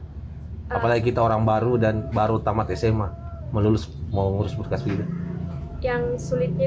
tak banyak yang menyangka remaja putri yang dikenal pendiam di lingkungan pampang kota makassar ini bisa menjadi polisi wanita